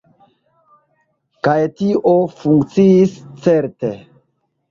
Kaj tio funkciis, certe.